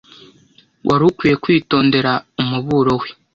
Wari ukwiye kwitondera umuburo we.